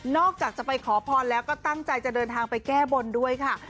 จากจะไปขอพรแล้วก็ตั้งใจจะเดินทางไปแก้บนด้วยค่ะ